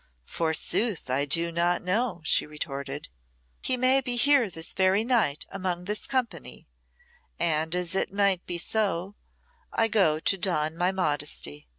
"Forsooth, I do not know," she retorted. "He may be here this very night among this company; and as it might be so, I go to don my modesty."